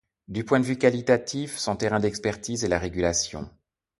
Du point de vue qualitatif, son terrain d'expertise est la régulation.